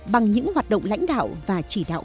bằng những hoạt động lãnh đạo và chỉ đạo